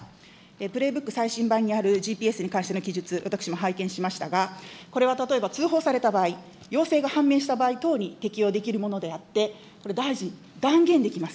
プレーブック最新版にあるＧＰＳに関する記述、私も拝見しましたが、これは例えば、通報された場合、陽性が判明した場合等に適用できるものであって、これ大臣、断言できます。